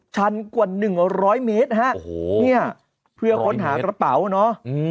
ชั้นกว่าหนึ่งร้อยเมตรฮะโอ้โหเนี้ยเพื่อค้นหากระเป๋าเนอะอืม